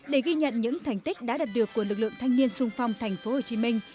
để ghi nhận những thành tích đã đạt được của lực lượng thanh niên sung phong thành phố hồ chí minh